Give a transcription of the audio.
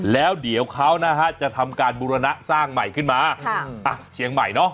แล้วเดี๋ยวเขานะฮะจะทำการบูรณะสร้างใหม่ขึ้นมาเชียงใหม่เนาะ